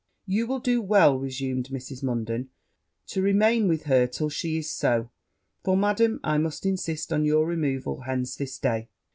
'You will do well,' resumed Mrs. Munden, 'to remain with her till she is so; for, Madam, I must insist on your removal hence this day.'